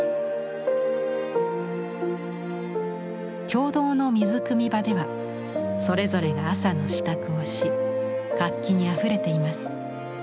共同の水くみ場ではそれぞれが朝の支度をし活気にあふれています。